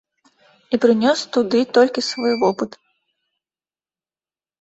І прынёс туды толькі свой вопыт.